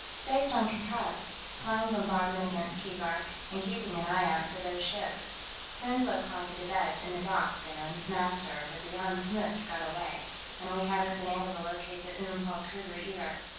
"Based on Kankad's, flying bombardment against Keegark, and keeping an eye out for those ships. Prinsloo caught the De Wett in the docks there and smashed her, but the Jan Smuts got away, and we haven't been able to locate the Oom Paul Kruger, either.